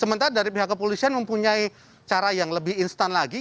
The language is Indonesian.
sementara dari pihak kepolisian mempunyai cara yang lebih instan lagi